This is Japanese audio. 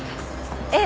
ええ。